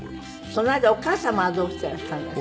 その間お母様はどうしていらしたんですか？